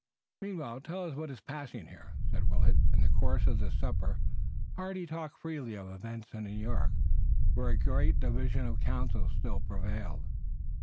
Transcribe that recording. "Meanwhile tell us what is passing here," said Willet. In the course of the supper Hardy talked freely of events in New York, where a great division of councils still prevailed.